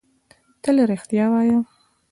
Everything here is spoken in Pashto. تل رېښتيا وايه